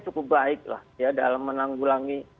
cukup baik dalam menanggulangi